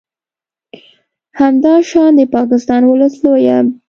همداشان د پاکستان ولس لویه ب